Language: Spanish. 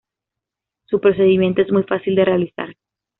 Su procedimiento es muy fácil de realizar.